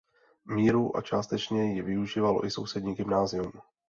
Míru a částečně jí využívalo i sousední gymnázium.